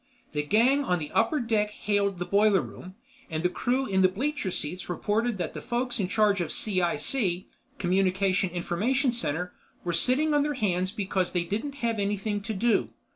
The gang on the upper deck hailed the boiler room, and the crew in the bleacher seats reported that the folks in charge of C.I.C.—Communication Information Center—were sitting on their hands because they didn't have anything to do.